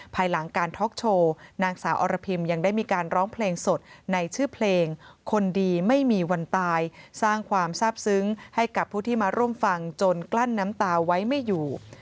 ภายหลังการท็อกโชว์นางสาวอรพิมยังได้มีการร้องเพลงสดในชื่อเพลงคนดีไม่มีวันตายสร้างความทราบซึ้งให้กับผู้ที่มาร่วมฟังจนกลั้นน้ำตาไว้ไม่อยู่